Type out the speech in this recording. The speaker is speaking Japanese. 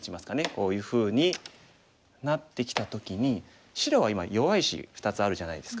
こういうふうになってきた時に白は今弱い石２つあるじゃないですか。